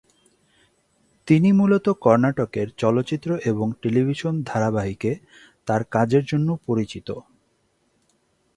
তিনি মূলত কর্ণাটকের চলচ্চিত্র এবং টেলিভিশন ধারাবাহিকে তাঁর কাজের জন্য পরিচিত।